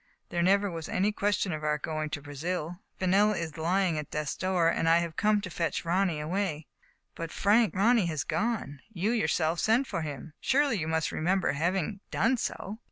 There never was any question of our going to Brazil, Fenella is lying at death's door, and I have come here to fetch Ronny away." " But, Frank, Ronny has gone. You yourself sent for him. Surely you must remember having done so.'